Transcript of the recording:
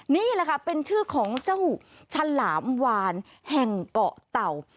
นี่แหละค่ะเป็นชื่อของเจ้าฉลามวานแห่งเกาะเต่า